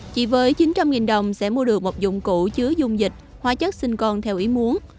chỉ với chín trăm linh đồng sẽ mua được một dụng cụ chứa dung dịch hóa chất sinh con theo ý muốn